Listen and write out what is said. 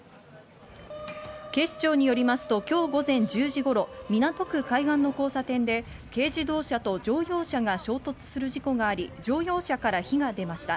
警視庁によりますと、今日午前１０時頃、港区海岸の交差点で、軽自動車と乗用車が衝突する事故があり、乗用車から火が出ました。